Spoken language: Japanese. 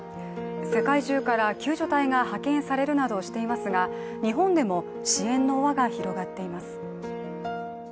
世界中から救助隊が派遣されるなどしていますが日本でも支援の輪が広がっています。